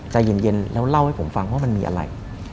ใจเย็นแล้วเล่าให้ผมฟังว่ามันมีอะไร